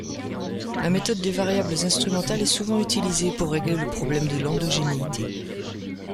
La méthode des variables instrumentales est souvent utilisée pour régler le problème de l'endogénéité.